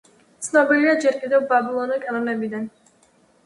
ცნობილია ჯერ კიდევ ბაბილონური კანონებიდან.